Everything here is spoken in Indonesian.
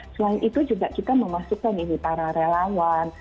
selain itu juga kita memasukkan ini para relawan